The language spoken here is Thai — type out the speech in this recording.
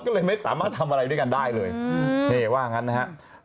ก็เลยไม่สามารถทำอะไรด้วยกันได้เลยนี่ว่างั้นนะครับ